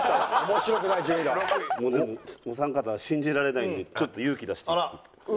もうお三方は信じられないのでちょっと勇気出して。